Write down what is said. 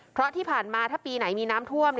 เพราะที่ผ่านมาถ้าปีไหนมีน้ำท่วม